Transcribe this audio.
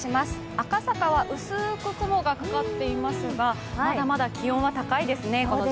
赤坂は薄く雲がかかっていますがこの時間も、まだまだ気温は高いですね。